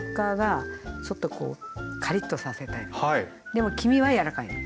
でも黄身はやわらかい。